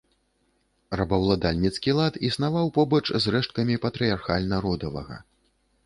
Рабаўладальніцкі лад існаваў побач з рэшткамі патрыярхальна-родавага.